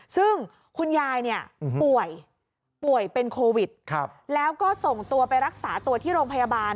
ซึ่งคุณยายเนี่ยป่วยป่วยเป็นโควิดแล้วก็ส่งตัวไปรักษาตัวที่โรงพยาบาล